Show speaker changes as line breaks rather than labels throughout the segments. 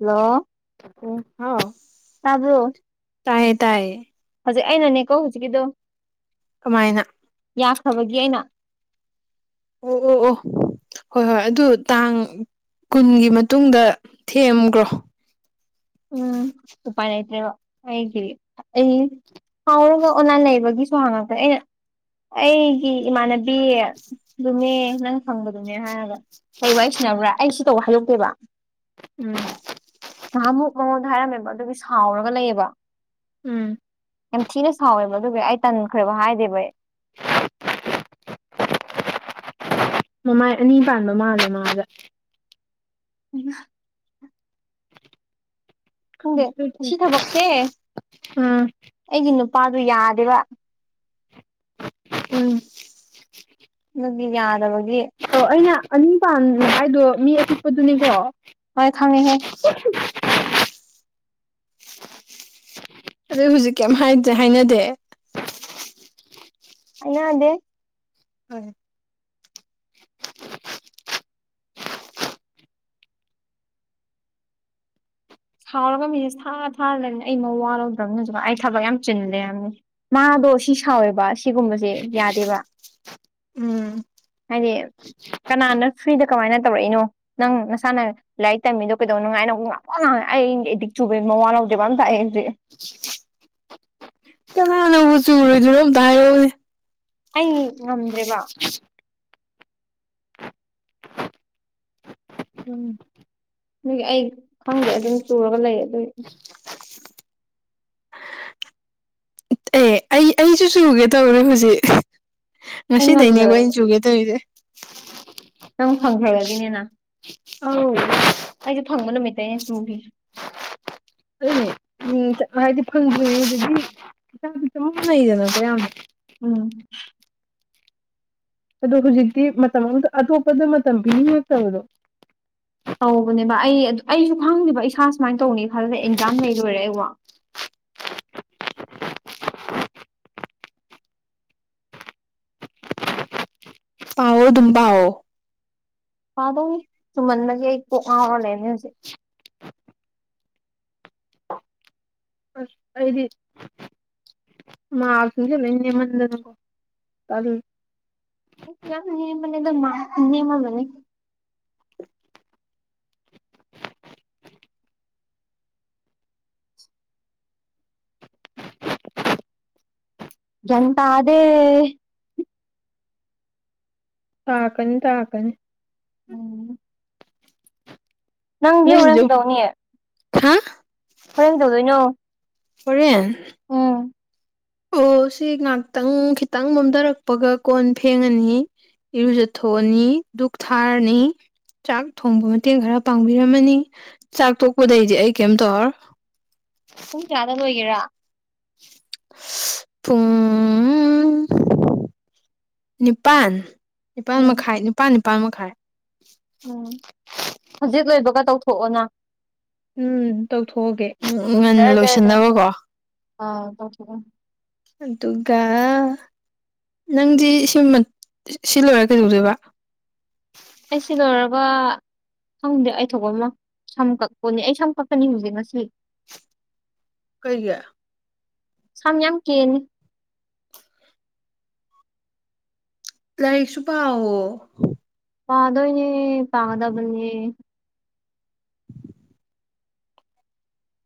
hello
ꯑꯣ ꯍꯥꯎ
ꯇꯥꯕ꯭ꯔꯣ
ꯇꯥꯏ ꯇꯥꯏ
ꯍꯧꯖꯤꯛ ꯑꯩꯅꯅꯦꯀꯣ ꯍꯧꯖꯤꯛꯀꯤꯗꯣ
ꯑꯗꯨꯃꯥꯏꯅ
ꯌꯥꯈ꯭ꯔꯕꯒꯤ ꯑꯩꯅ
ꯑꯣ ꯑꯣ ꯑꯣ ꯍꯣꯏ ꯍꯣꯏ ꯑꯗꯨ ꯇꯥꯡ ꯀꯨꯟꯒꯤ ꯃꯇꯨꯡꯗ ꯊꯦꯝꯈ꯭ꯔꯣ
ꯎꯝ ꯎꯄꯥꯥꯟꯇ꯭ꯔꯦ ꯋꯥ ꯍꯥꯏꯒꯔꯤ ꯑꯦ ꯍꯥꯎꯔꯒ ꯑꯣ ꯂꯩꯕꯒꯤꯁꯨ ꯍꯥꯡꯉꯛꯇ꯭ꯔꯦ ꯑꯩꯅ ꯑꯩꯒꯤ ꯏꯃꯥꯟꯅꯕꯤꯗꯨꯅꯦ ꯅꯪ ꯈꯪꯕꯗꯨꯅꯦ ꯍꯥꯏꯔꯒ ꯀ ꯋꯥꯏ ꯁꯤꯕ꯭ꯔꯥ ꯑꯩ ꯁꯤ ꯇꯧ ꯍꯥꯏꯗꯣꯛꯇꯦꯕ
ꯎꯝ
ꯉꯍꯥ ꯑꯃꯨꯛ ꯃꯉꯣꯟꯗ ꯍꯥꯏꯔꯝꯃꯦꯕ ꯑꯗꯨꯒꯤ ꯁꯥꯎꯔꯒ ꯂꯩꯑꯕ
ꯎꯝ
ꯌꯥꯝ ꯊꯤꯅ ꯁꯥꯎꯋꯦꯕꯗꯨꯒꯤ ꯑꯩ ꯇꯟꯈ꯭ꯔꯦꯕ ꯍꯥꯏꯗꯦꯕ ꯑꯩ
[unintelligible] ꯃꯃꯥꯏ ꯑꯅꯤ ꯄꯥꯟꯕ ꯃꯥꯜꯂꯦ ꯃꯥꯗ
ꯎ ꯈꯪꯗꯦ ꯑꯁꯤ ꯊꯕꯛꯁꯦ
ꯑꯝ
ꯑꯩꯒꯤ ꯅꯨꯄꯥꯗꯨ ꯌꯥꯗꯦꯕ
ꯎꯝ
ꯅ ꯌꯥꯗꯕꯒꯤ
ꯑꯣ ꯑꯩꯅ ꯑꯅꯤ ꯄꯥꯟꯕꯥꯟ ꯍꯥꯏꯥꯏꯗꯣ ꯃꯤ ꯑꯄꯤꯤꯛꯄꯗꯨꯅꯤꯀꯣ
ꯍꯣꯏ ꯈꯪꯉꯤꯍꯦ
[unintelligible] ꯑꯩ ꯍꯧꯖꯤꯛ ꯀꯩꯝ ꯍꯥꯏꯗ꯭ꯔꯦ ꯍꯥꯏꯅꯗꯦ
ꯑꯩꯅꯗꯦ
ꯍ
ꯁꯥꯎꯔꯒ ꯃꯤꯁꯦ ꯊꯥꯔ ꯊꯥꯔꯂꯕꯅꯤꯅꯦ ꯑꯩꯃ ꯋꯥꯔꯧꯗ꯭ꯔꯕꯅꯤꯅꯁꯨ ꯑꯩ ꯊꯕꯛ ꯌꯥꯝ ꯆꯤꯜꯂꯦ ꯍꯥꯏꯕꯅꯤ ꯃꯥꯗꯣ ꯁꯤ ꯁꯥꯎꯋꯦꯕ ꯁꯤꯒꯨꯝꯕꯁꯦ ꯌꯥꯗꯦꯕ
ꯎꯝ
ꯍꯥꯏꯗꯤ ꯀꯅꯥꯅ ꯐ꯭ꯔꯤꯗ ꯀꯃꯥꯏꯅ ꯇꯧꯔꯛꯏꯅꯣ ꯅꯪ ꯅꯁꯥꯅ ꯂꯥꯏꯔꯤꯛ ꯇꯝꯃꯤꯗꯣ ꯀꯩꯗꯧ ꯅꯨꯡꯉꯥꯏꯅ ꯉꯄꯣ ꯉꯥꯡꯉ ꯑꯩ ꯑꯩꯗꯤꯛ ꯆꯨꯕ ꯃꯃꯋꯥ ꯂꯧꯎꯖꯦꯕ ꯑꯃ ꯊꯥꯛꯑꯦ ꯍꯧꯁꯦ
ꯀꯥꯟꯅꯕꯨ ꯆꯨꯨꯔꯣꯏꯗꯨꯔꯣꯝꯇ ꯍꯥꯏꯔꯛꯅꯦ
ꯑꯩ ꯉꯝꯗ꯭ꯔꯦꯕ
ꯎꯝ
ꯑꯗꯨꯒꯤ ꯑꯩ ꯈꯪꯗꯦ ꯑꯗꯨꯝ ꯆꯨꯔꯒ ꯂꯩ ꯑꯗꯨꯒꯤ
ꯑꯦ ꯑꯩ ꯑꯩꯁꯨ ꯁꯨꯒꯦ ꯇꯧꯔꯦ ꯍꯧꯖꯤꯛ
ꯑꯩ
ꯉꯁꯤꯗꯩꯅꯦꯈꯣ
ꯉꯝꯗꯕꯅꯦ
ꯑꯩꯅ ꯆꯨꯒꯦ ꯇꯧꯔꯤꯁꯦ
ꯅꯪ ꯐꯪꯈ꯭ꯔꯒꯦꯅꯦꯅ
ꯑ ꯎ
ꯑꯩꯁꯨ ꯐꯪꯕ ꯅꯨꯃꯤꯠꯇ ꯑꯩꯅ ꯆꯨꯈꯤꯁꯦ
ꯎ ꯎꯝ ꯍꯥꯏꯗꯤ ꯐꯪꯗ꯭ꯔꯤꯉꯩꯗꯗꯤ ꯍ ꯆꯃꯅꯩꯗꯅ ꯀꯌꯥꯝꯅꯣ
ꯎꯝ
ꯑꯗꯣ ꯍꯧꯖꯤꯛꯇꯤ ꯃꯇꯝ ꯑꯃꯗ ꯑꯇꯣꯞꯄꯗ ꯃꯇꯝ ꯄꯤꯅꯤꯡꯉꯛꯇꯕꯗꯣ
ꯇꯧꯕꯅꯦꯕ ꯑꯩ ꯑꯩꯁꯨ ꯈꯪꯗꯦꯕ ꯏꯁꯥ ꯁꯨꯃꯥꯏꯅ ꯇꯧꯅꯤ ꯈꯜꯂꯗ ꯑꯦꯛꯖꯥꯝ ꯂꯩ ꯂꯣꯏꯔꯦꯕ
ꯄꯥꯑꯣ ꯑꯗꯨꯝ ꯄꯑꯣꯣ
ꯄꯥꯗꯧ ꯁꯨꯝꯃꯟꯗꯒꯤ ꯑꯩ ꯀꯣꯛ ꯉꯥꯎꯔ ꯂꯩꯔꯅꯦ ꯍꯧꯖꯤꯛ
ꯍꯗꯤ ꯃꯥ ꯃ ꯃꯔ
ꯅ ꯃꯅꯦ ꯑꯗꯨ ꯃꯥ ꯅꯃ ꯃꯅꯤ ꯒꯌꯥꯟ ꯇꯥꯗꯦ
ꯇꯥꯒꯅꯤ ꯇꯥꯒꯅꯤ
ꯎꯝ ꯅꯪꯒꯤ
ꯅꯪꯒꯤꯖꯨ
ꯎꯅꯗꯧꯅꯤꯌꯦ
ꯍꯥ
ꯀꯣꯔꯦꯟ ꯇꯧꯗꯣꯏꯅꯣ
[unintelligible] ꯑꯣ ꯁꯤ ꯉꯍꯥꯛꯇꯪ ꯈꯤꯇꯪ ꯅꯣꯝꯊꯔꯛꯄꯒ ꯀꯣꯟ ꯐꯦꯡꯉꯅꯤ ꯏꯔꯨꯖ ꯊꯣꯅꯤ ꯙꯛ ꯊꯥꯔꯅꯤ ꯆꯥꯛ ꯊꯣꯡꯕ ꯃꯇꯦꯡ ꯈꯔ ꯄꯥꯡꯕꯤꯔꯝꯃꯅꯤ ꯆꯥꯛ ꯇꯣꯛꯄꯗꯩꯗꯤ ꯑꯩ ꯀꯩꯝ ꯇꯧꯔ
ꯄꯨꯡ ꯀꯌꯥꯗ ꯂꯣꯏꯒꯦꯔꯥ
ꯍꯨꯡ ꯅꯤꯄꯥꯟ ꯅꯤꯄꯥꯜ
ꯎꯝ
ꯃꯈꯥꯏ ꯅꯤꯄꯥꯜ ꯅꯤꯄꯥꯜ ꯃꯈꯥꯏ
ꯎꯝ ꯍꯧꯖꯤꯛ ꯂꯣꯏꯕꯒ ꯇꯧꯊꯣꯛꯑꯣꯅ
ꯎꯝ ꯇꯧꯊꯣꯛꯑꯒꯦ ꯉꯟꯅ ꯂꯣꯏꯁꯤꯟꯅꯕꯀꯣ
ꯑ ꯇ
ꯑꯗꯨꯒꯒꯥ ꯅꯪꯗꯤ ꯁꯤ ꯂꯣꯏꯔ ꯀꯩꯗꯧꯗꯣꯏꯕ
ꯑꯩꯁꯤ ꯂꯣꯏꯔꯒ ꯁꯪꯗꯦ ꯑꯩ ꯊꯣꯛꯄ ꯑꯃ ꯁꯝ ꯀꯛꯄꯅꯤ ꯑꯩ ꯁꯝ ꯀꯛꯀꯅꯤ ꯍꯧꯖꯤꯛ ꯉꯁꯤ
ꯀꯩꯒ
ꯁꯝ ꯌꯥꯝ ꯀꯦꯅꯤ
ꯂꯥꯏꯔꯤꯛꯁꯨ ꯄꯥꯑꯣꯣ
ꯄꯥꯗꯣꯏꯅꯦ ꯄꯥꯒꯗꯕꯅꯦ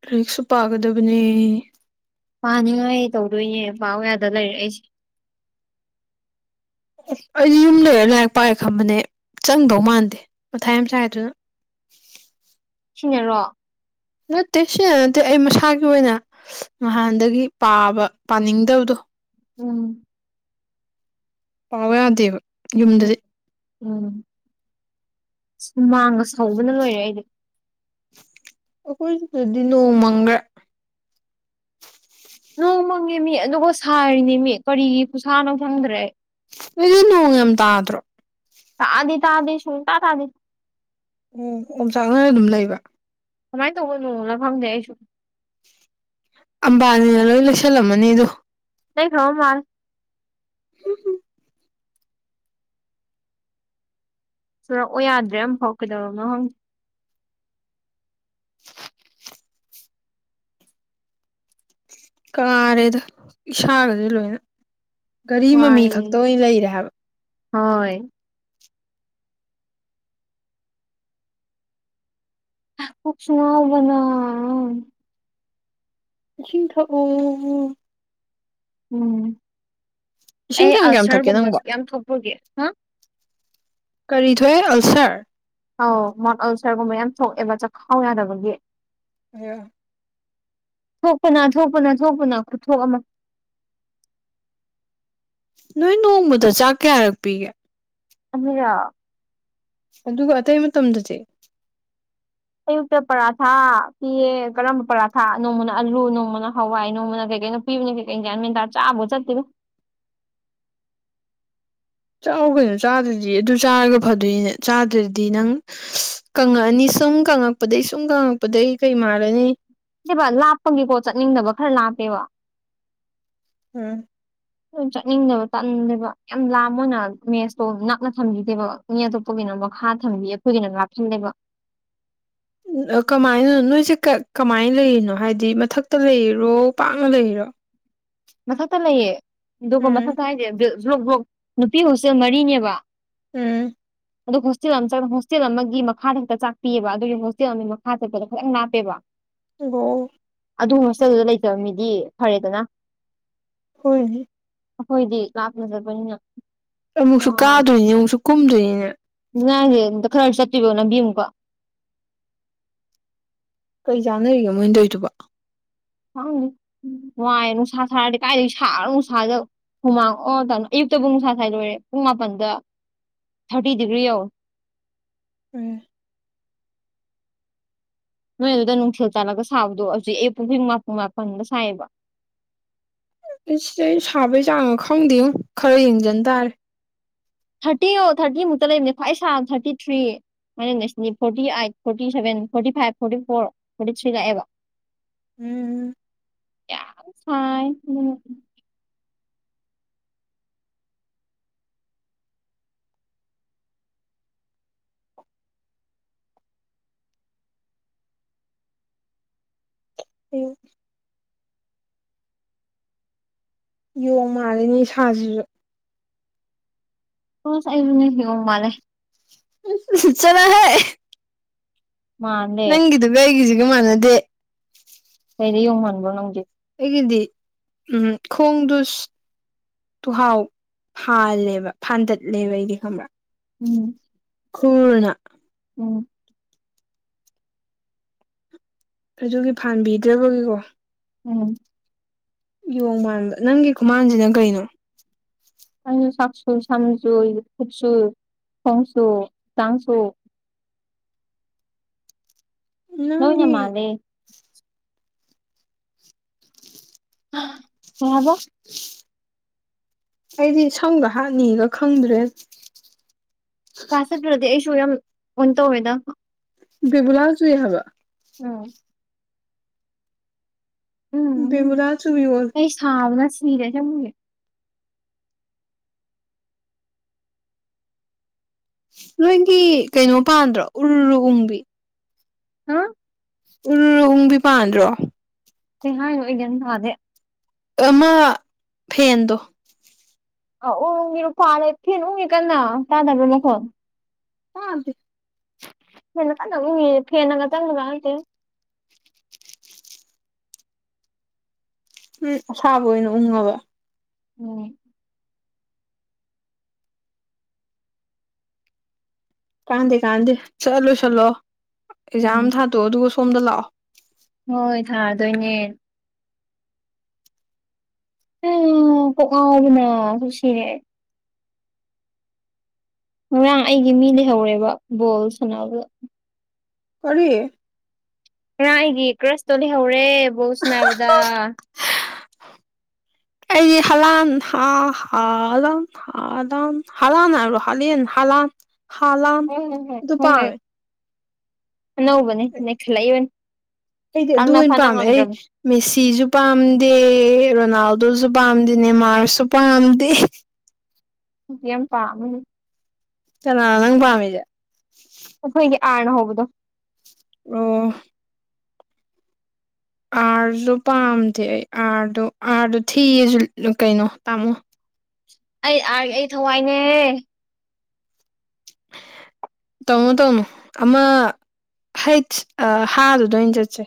ꯂꯥꯏꯔꯤꯛꯁꯨ ꯄꯥꯒꯗꯕꯅꯦ
ꯄꯥꯅꯤꯡꯉꯥꯏ ꯑꯩ ꯇꯧꯗꯣꯏꯅꯦ ꯄꯥꯎ ꯌꯥꯗ ꯂꯩꯔꯛꯏꯁꯦ
ꯑꯣ ꯑꯩꯗꯤ ꯌꯨꯝ ꯂꯩꯔ ꯂꯥꯏꯔꯤꯛ ꯄꯥꯑꯦ ꯈꯝꯕꯅꯦ ꯆꯪꯗꯧ ꯃꯥꯟꯗꯦ ꯃꯊꯥꯏ ꯌꯥꯝ ꯆꯥꯏꯗꯨꯅ
ꯁꯤꯟꯅꯔꯣ
ꯅꯠꯇꯦ ꯁꯤ ꯅꯠꯇꯦ ꯑꯩ ꯃꯁꯥꯒꯤ ꯑꯣꯏꯅ ꯅꯍꯥꯟꯗꯒꯤ ꯄꯥꯕ ꯄꯥꯅꯤꯡꯗꯕꯗꯣ
ꯎꯝ
ꯄꯥꯎ ꯌꯥꯗꯦꯕ
ꯎꯝ
ꯌꯨꯝꯗꯗꯤ
ꯎꯝ ꯁꯨꯃꯥꯡꯒ ꯁꯧꯕꯅ ꯂꯣꯏꯔꯦ ꯑꯩꯗꯤ
ꯑꯩꯈꯣꯏ ꯁꯤꯗꯗꯤ ꯅꯣꯡꯃꯪꯒ꯭ꯔꯦ
ꯅꯣꯡꯃꯪꯉꯦ ꯃꯤ ꯑꯗꯨꯒ ꯁꯥꯔꯤꯅꯦ ꯃꯤ ꯀꯔꯤꯒꯤ ꯈꯨꯁꯥꯅꯣ ꯈꯪꯗ꯭ꯔꯦ
ꯑꯗꯨ ꯅ ꯉ ꯇꯥ꯭ꯔꯣ
ꯥꯗꯤ ꯇꯥꯗꯤ ꯁꯟ ꯇ ꯑꯥꯗꯤ
ꯑꯣ ꯑꯣꯝ ꯆꯥꯛꯅꯅ ꯑꯗꯨꯝ ꯂꯩꯕ
ꯀꯃꯥꯏꯅ ꯇꯧꯕꯅꯣꯅ ꯈꯪꯗꯦ ꯑꯩꯁꯨ
ꯑꯝꯕꯥꯅꯤꯅ ꯂꯣꯏ ꯂꯣꯏꯁꯜꯂꯝꯃꯅꯤ ꯑꯗꯣ
ꯅ ꯈꯥꯎ ꯃꯥꯔ
ꯎꯝ
ꯆꯨꯔꯛꯑꯣ ꯌꯥꯗ꯭ꯔꯦ ꯑꯃ ꯐꯥꯎꯀꯗꯕ ꯅꯪ
ꯀꯥꯔꯦꯗ ꯏꯁꯥꯒꯗꯤ ꯂꯣꯏꯅ ꯒꯥꯔꯤ ꯃꯃꯤ ꯈꯛꯇ
ꯋꯥꯔꯦ
ꯑꯣꯏꯅ ꯂꯩꯔꯦ ꯍꯥꯏꯕ
ꯍꯣꯏ ꯀꯁꯕꯅꯥ
ꯏꯁꯤꯡꯁꯤꯡ ꯊ ꯑꯣ
ꯎꯝ
ꯏꯁꯤꯡ
ꯑꯩ
ꯀꯌꯥꯝ ꯀꯌꯥꯝ ꯊꯛꯀꯦ ꯅꯪꯕꯣ
ꯑꯜꯁꯔꯒꯨꯝꯕꯁꯨ ꯌꯥꯝ ꯊꯣꯛꯄꯒꯦ ꯍꯥ
ꯀꯔꯤ ꯊꯣꯛꯑꯦ ꯑꯜꯁꯔ
ꯑꯧ ꯃꯣꯠ ꯑꯜꯁꯔꯒꯨꯝꯕ ꯌꯥꯝ ꯊꯣꯛꯑꯦꯕ ꯆꯥꯛꯈꯥꯎ ꯌꯥꯗꯕꯒꯤ
ꯑꯣ
ꯊꯣꯛꯄꯅ ꯊꯣꯛꯄꯅ ꯊꯣꯛꯄꯅ ꯈꯨꯠꯊꯣꯛ ꯑꯃ
ꯅꯣꯏ ꯅꯣꯡꯃꯗ ꯆꯥꯛ ꯀꯌꯥꯔꯛ ꯄꯤꯒꯦ
ꯑ ꯌꯥ
ꯑꯗꯨꯒ ꯑꯇꯩ ꯃꯇꯝꯗꯁꯦ
ꯑꯌꯨꯛꯇ ꯄꯔꯥꯊꯥ ꯄꯤꯌꯦ ꯀꯔꯝꯕ ꯄꯔꯥꯊꯥ ꯅꯣꯡꯃꯅ ꯑꯂꯨ ꯅꯣꯡꯃꯅ ꯍꯋꯥꯏ ꯅꯣꯡꯃꯅ ꯀꯩ ꯀꯩꯅꯣ ꯄꯤꯕꯅꯦ ꯀꯩꯒꯤ꯭ꯅ ꯃꯤꯦꯟꯔ ꯆꯥꯕꯣ ꯆꯠꯇꯔꯣ
ꯆꯥꯎꯥꯛ ꯀꯩꯅꯣ ꯆꯥꯗ꯭ꯔꯗꯤ ꯑꯗꯨ ꯆꯥꯔꯒ ꯐꯗꯣꯏꯅꯦ ꯆꯥꯗ꯭ꯔꯗꯤ ꯅꯪ ꯀꯪꯉꯛꯑꯅꯤ ꯁꯨꯝ ꯀꯪꯉꯛꯄꯗꯒꯤꯩ ꯁꯨꯝ ꯀꯪꯉꯛꯄꯗꯩ ꯀꯩ ꯃꯥꯔꯅꯤ
ꯅꯕ ꯂꯥꯞꯄꯒꯤ ꯄꯣꯠ ꯆꯠꯅꯤꯡꯗꯕ ꯈꯔ ꯂꯥꯞꯄꯦꯕ
ꯎꯝ
ꯆꯠꯅꯤꯡꯗꯕ ꯇꯥꯛꯅꯤꯡꯗꯦꯕ ꯌꯥꯝ ꯂꯥꯝ ꯑꯣꯏꯅ ꯃꯦꯁꯇꯣ ꯅꯛꯅ ꯊꯝꯕꯤꯗꯦꯕ ꯃꯤ ꯑꯇꯣꯞꯄꯒꯤꯅꯣ ꯃꯈꯥ ꯊꯝꯕꯤ ꯑꯩꯈꯣꯏꯒꯤꯅꯣ ꯂꯥꯞꯁꯤꯜꯂꯦꯕ
ꯀꯃꯥꯏꯅ ꯅꯣꯏꯁꯦ ꯀꯃꯥꯏꯅ ꯂꯩꯔꯤꯅꯣ ꯍꯥꯏꯕꯗꯤ ꯃꯊꯛꯇ ꯂꯩꯔꯣ ꯄꯥꯛꯅ ꯂꯩꯔꯤꯔꯣ
ꯃꯊꯛꯇ ꯂꯩꯌꯦ ꯑꯗꯨꯒ
ꯎꯝ
ꯃꯊꯛꯇ ꯍꯥꯏꯁꯦ ꯕ꯭ꯂꯣꯛ ꯕ꯭ꯂꯣꯛ ꯅꯨꯄꯤ ꯍꯣꯁꯇꯦꯜ ꯃꯔꯤꯅꯦꯕ
ꯎꯝ
ꯑꯗꯨꯣ ꯍꯣꯁꯇꯦꯜ ꯑꯃ ꯍꯣꯁꯇꯦꯜ ꯑꯃꯒꯤ ꯃꯈꯥꯗ ꯍꯦꯛꯇ ꯆꯥꯛꯄꯤꯑꯕ ꯑꯗꯨꯒꯤ ꯍꯣꯁꯇꯦꯜ ꯑꯃꯒꯤ ꯃꯈꯥ ꯆꯠꯄꯗ ꯈꯤꯇꯪ ꯉꯥꯞꯄꯦꯕ
ꯒꫭ
ꯑꯗꯨ ꯍꯣꯁꯇꯦꯜꯗꯨꯗ ꯂꯩꯇꯕ ꯃꯤꯗꯤ ꯐꯔꯦꯗꯅ
ꯍꯣꯏ
ꯑꯩꯈꯣꯏꯗꯤ ꯂꯥꯥꯞꯄ‌ꯦꯕ ꯆꯠꯄꯅꯤꯅ
ꯑꯩ
ꯑ
ꯑꯃꯨꯛꯁꯨ ꯀꯥꯗꯣꯏꯅꯤ ꯑꯃꯨꯛꯁꯨ ꯀꯨꯝꯗꯣꯏꯅꯤꯅꯦ
ꯉꯥꯏꯁꯦ ꯑꯝꯇ ꯈꯔꯁꯨ ꯆꯠꯇ꯭ꯕꯣ ꯂꯝꯕꯤ ꯑꯃꯨꯛꯀ
ꯀꯔꯤ ꯆꯥꯅꯔꯤꯒꯦ ꯃꯣꯏ ꯇꯧꯔꯤꯗꯨꯕꫭ
ꯍꯪ ꯅꯨꯡꯉꯥꯏꯦ ꯅꯨꯡꯁꯥ ꯁꯥꯔꯗꯤ ꯀꯥꯏꯗꯒꯤ ꯁꯥꯒꯔꯕ ꯅꯨꯡꯁꯥꯗꯨꯗ ꯍꯨꯃꯥꯡ ꯑꯣ ꯇꯥꯅꯣ ꯑꯌꯨꯛꯇ ꯄꯨꯡ ꯅꯨꯡꯁꯥ ꯁ꯭ꯋꯥꯏ ꯂꯣꯏꯔꯦ ꯄꯨꯡ ꯃꯥꯄꯟꯗ ꯊꯥꯔꯇꯤ ꯗꯤꯒ꯭ꯔꯤ ꯌꯧꯔꯦ
ꯎꯝ
ꯅꯣꯏꯗꯨꯗ ꯅꯨꯡꯊꯤꯜ ꯆꯥꯜꯂꯒ ꯁꯥꯕꯗꯣ ꯍꯧꯖꯤꯛ ꯑꯦ ꯄꯨꯡ ꯄꯁꯤꯡ ꯃꯥꯄꯟ ꯃꯥꯄꯟꯒ ꯁꯥꯏꯌꯦꯕ
ꯑꯩ ꯁꯤꯗ ꯑꯩ ꯁꯥꯕꯩ ꯆꯥꯡ ꯈꯪꯗꯦ ꯈꯔ ꯌꯦꯡꯖꯟ ꯇꯥꯔꯦ
ꯊꯥꯔꯇꯤ ꯑꯣ ꯊꯥꯔꯇꯤ ꯃꯨꯛꯇ ꯂꯩꯕꯅꯦ ꯈ꯭ꯋꯥꯏ ꯁꯥꯕ ꯊꯥꯔꯇꯤ ꯊ꯭ꯔꯤ ꯃ ꯉꯁꯤꯗꯤ forty eight forty seven forty five forty four forty three ꯂꯥꯛꯑꯦꯕ
ꯎꯝ
ꯑꯥꯏ
ꯍ ꯌꯣꯡ ꯃꯥꯜꯂꯤꯅꯤ ꯁꯥꯁꯤꯁꯨ
ꯍꯁ ꯑꯩꯁꯨꯅꯦ ꯌꫭꯡ ꯃꯥꯜꯂꯦ
ꯆꯠꯂꫭꯍ‌ꯦ
ꯃꯥꯟꯗꯦ
ꯅꯪꯒꯤꯗꯨꯒ ꯑꯩꯒꯤꯁꯤꯒ ꯃꯥꯟꯅꯗꯦ
ꯀꯩꯗ ꯌꯣꯡꯍꯟꯕ꯭ꯔꯣ ꯅꯪꯁꯦ
ꯑꯩꯒꯤꯗꯤ ꯎꯝ ꯈꯣꯡꯗꯨ ꯇꯨꯍꯥꯎ ꯐꯥꯜꯂꯦꯕ ꯐꯥꯗꯠꯂꯦꯕ ꯑꯩꯗꯤ ꯈꯪꯕꯔꯥ
ꯎꯝ
ꯈꯨꯔꯅ
ꯎꯝ
ꯑꯗꯨꯒꯤ ꯐꯥꯟꯕꯤꯗ꯭ꯔꯕꯒꯤꯀꯣ
ꯎꯝ
ꯌꯣꯡ ꯃꯥꯟꯕ ꯅꯪꯒꯤ ꯈꯨꯃꯥꯟꯁꯤꯅ ꯀꯩꯅꯣ
ꯑꯁꯨ ꯆꯥꯛꯁꯨꯨ ꯁꯥꯟꯖꯣꯏ ꯀꯠꯆꯁꯨ ꯍꯪꯁꯨ ꯆꯪꯁꯨ ꯅꫭꯏꯅ
ꯅꯪꯒꯤ
ꯃꯥꯗꯦ ꯎꯝ
[inaudible] ꯑꯩꯗꯤ ꯁꯪꯒ ꯍꯥꯠꯅꯤꯒ ꯈꯪꯗ꯭ꯔꯦ
ꯀꯂꯥꯁ ꯆꯠꯇꯔꯗꯤ ꯑꯩꯁꯨ ꯌꯥꯝ ꯋꯥꯟꯇꯧꯏꯗ
ꯕꯤꯕꯨꯂꯥ ꯆꯨꯏ ꯍ‌ꯥꯏꯕ
ꯎꯝ ꯎꯝ
ꯕꯤꯕꯨꯂꯥ ꯆꯨꯕꯤ ꯑꫭꯂ‌ꯦ
ꯑꯩ ꯁꯥꯕꯅ ꯁꯤꯔꯦ ꯅꯪ
ꯅꯣꯏꯒꯤ ꯀꯩꯅꯣ ꯄꯥꯟꯗ꯭ꯔꯣ ꯎꯔꯔꯨ ꯎꯡꯕꯤ
ꯍꯥ
ꯎꯔꯨꯔꯍꯪꯕꯤ ꯄꯥꯟꯗ꯭ꯔꯣ
ꯀꯩ ꯍꯥꯏꯅꫭ ꯑꯩ ꯒꯌꯥꯟ ꯇꯥꯗ‌ꯦ
ꯃ ꯐꯦꯟꯗꯣ
ꯑ ꯎꯒꯤꯅ ꯐꯥꯔꯦ ꯐꯦꯟ ꯎꯒꯤ ꯀꯟꯅ ꯇꯥꯟꯅꯕ꯭ꯔꯥ ꯃꯈꯣꯟ
ꯀꯗ
ꯐꯦꯅ ꯀꯗ ꯎ ꯐꯦꯅ ꯀ ꯆꯪꯒꯗꯦ
ꯎꯝ ꯑꯁꯥꯕ ꯑꯣꯏꯅ ꯎꯪꯉꯕ
ꯎꯝ
ꯀꯥꯟꯅꯗꯦ ꯀꯥꯟꯅꯗꯦ ꯆꯠꯂꯨꯁꯤꯠꯂꯣ
ꯎꯝ
ꯑꯦꯛꯖꯥꯝ ꯊꯥꯗꯣꯛꯑꯣ ꯑꯗꯨꯒ ꯁꯣꯝꯗ ꯂꯥꯛꯑꯣ
ꯍꯣꯏ ꯊꯥꯗꯣꯏꯅꯦ ꯑ ꯑꯗꯨꯅ ꯁꯨꯁꯤ ꯉꯔꯥꯡ ꯑꯩꯒꯤ ꯃꯤ ꯂꯩꯍꯧꯔꯦꯕ ꯕꯣꯜ ꯁꯅꯥꯗ
ꯀꯔꯤ
ꯉꯥꯏꯒꯤ ꯀ꯭ꯔꯁꯇꯣ ꯂꯩꯍꯧꯔꯦ ꯕꯧ ꯁꯅꯥ ꯍꯥꯏꯕꯗ
ꯑꯩꯗꯤ ꯍꯂꯥꯟ ꯍꯥ ꯍꯥꯥꯎ ꯂꯥꯟ ꯍꯝ ꯍꯂꯥꯟꯅꯕꯣ ꯍ ꯍꯂꯥꯟ ꯍꯥꯟ
ꯍꯣꯏ ꯍꯣꯏ
ꯑꯗꯨ ꯄꯥꯝꯃꯦ
ꯅꯧꯧꯕꯅꯦ ꯅꯦꯛ ꯈꯂ ꯏꯕꯅꯤ
ꯑꯩꯗꯤ ꯑꯗꯨ ꯑꯣꯏꯅ ꯄꯥꯝꯃꯦ ꯑꯩ ꯃꯦꯁꯤꯁꯨ ꯄꯥꯝꯗꯦ ꯔꯣꯅꯥꯜꯗꯣꯁꯨ ꯄꯥꯝꯗꯦ ꯅꯦ ꯃꯥꯔꯁꯁꯨ ꯄꯥꯝꯗꯦ
ꯌꯥꯝ ꯄꯥꯝ
ꯆꯅꯥ ꯅꯪ ꯄꯥꯝꯃꯤꯁꯦ
ꯍꯣꯏꯒꯤ ꯀꯅ ꯍꯕꯣ
ꯑꯣ ꯑꯥꯔꯁꯨ ꯄꯥꯝꯗꯦ ꯑꯩ ꯑꯥꯔꯗꯣ ꯑꯥꯔꯗꯣ ꯊꯤꯌꯦꯁꯨ ꯀꯩꯅꯣ ꯇꯥꯃꯣ
ꯑꯩ ꯑꯥ ꯑꯩ ꯊꯋꯥꯏꯅꯦ
[inaudible] ꯇꯧꯅꯨ ꯇꯧꯅꯨ ꯑꯃ ꯍꯩꯠ ꯍꯥꯗꯨꯗ ꯑꯣꯏꯅ ꯆꯠꯁꯦ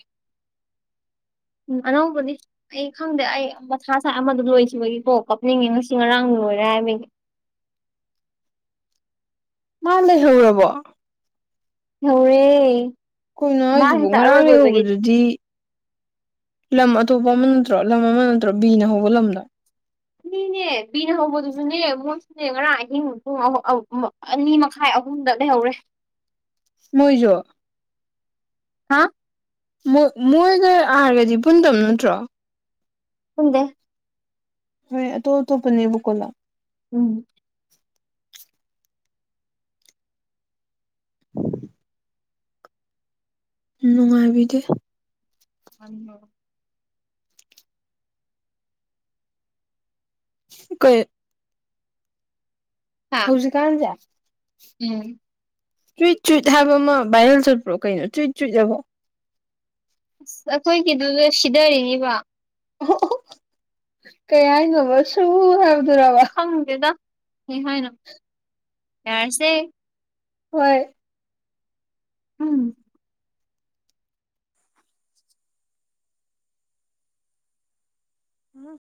ꯎ ꯑꯅꯕꯅꯤ ꯑꯩ ꯈꯪꯗꯦ ꯑꯩ ꯃꯁꯥꯥꯁꯥꯏ ꯑꯃꯗ ꯂꯣꯏꯈꯤꯕꯒꯤꯀꯣ ꯀꯞꯅꯤꯡꯉꯦ ꯉꯁꯤ ꯉꯔꯥꯡ ꯂꯣꯏꯔꯦ ꯍꯥꯏꯕꯒꯤ
ꯃꯥ ꯂꯩ ꯍꯧꯔꯔꯕꯣ
ꯍꯧꯔꯦ
ꯑꯩꯈꯣꯏꯅ ꯍꯧꯖꯤꯛꯐꯥꯎ ꯉꯔꯥꯡ ꯂꯩꯍꯧꯕꯗꯨꯗꯤ ꯂꯝ ꯑꯇꯣꯞꯄ ꯑꯃ ꯅꯠꯇ꯭ꯔꯣ ꯂꯝ ꯑꯃ ꯅꯠꯇ꯭ꯔꯣ ꯕꯤꯅ ꯍꯧꯕ ꯂꯝꯗꯣ
ꯅꯅꯦ ꯅ ꯍꯕ ꯑꯗꯨꯁꯨꯅꯦꯕꯨꯣꯏ ꯦ ꯉꯔꯥꯡ ꯑꯍꯤꯡ ꯄꯨꯡ ꯑꯅꯤ ꯃꯈꯥꯏ ꯑꯍꯨꯝꯗ ꯂꯩꯍꯧꯔꯦ
ꯃꯣꯏꯁꯨ
ꯍꯥ
ꯃꯣꯏꯒ ꯑꯥꯔꯒꯗꯤ ꯄꯨꯟꯗꯕ ꯅꯠꯇ꯭ꯔꯣ
ꯍꯗꯦ
ꯍꯣꯏ ꯇꯣ ꯇꯨꯞꯄꯅꯤꯕꯨꯀꯣꯂ
ꯎꯝ
ꯑ ꯎ ꯅꯨꯡꯉꯥꯏꯕꯤꯗꯦ
[unintelligible]
ꯀꯣꯏ
ꯍꯥ
ꯄꯨꯁꯨ ꯀꯥꯟꯖ
ꯎꯝ
ꯆꯨꯏꯠ ꯆꯨꯏꯠ ꯍꯥꯏꯕ ꯑꯃ ꯚꯥꯏꯔꯦꯜ ꯆꯠꯄ꯭ꯔꯣ ꯀꯩꯅꯣ ꯆꯨꯏꯠ ꯆꯨꯏ ꯍꯥꯏꯕꯣ
ꯑꯁ ꯑꯩꯈꯣꯏꯒꯤꯗꯨꯗ ꯁꯤꯊꯔꯤꯅꯤꯕ
ꯑꯣ ꯀꯩ ꯍꯥꯏꯅꯃꯁꯨ ꯍꯥꯏꯕꯗꯨꯕꯥ
ꯐꯪꯗꯦꯗ ꯀ ꯍꯥꯏꯅꯣ ꯌꯥꯔꯁꯦ
ꯍꯣꯏ
ꯎꯝ
ꯎꯝ